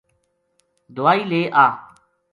دوائی لے آ“